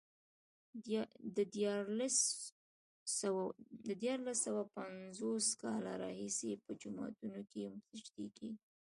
د دیارلس سوه پنځوس کاله راهيسې په جوماتونو کې سجدې کېږي.